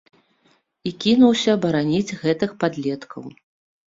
І кінуўся бараніць гэтых падлеткаў.